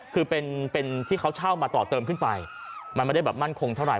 คือเป็นที่เขาเช่ามาต่อเติมขึ้นไปมันไม่ได้แบบมั่นคงเท่าไห